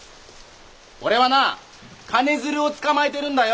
俺はな金づるを捕まえてるんだよ